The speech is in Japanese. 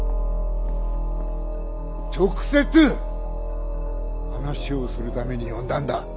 直接話をするために呼んだんだ。